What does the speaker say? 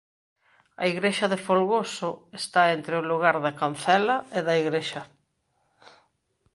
A igrexa de Folgoso está entre o lugar da Cancela e da Igrexa.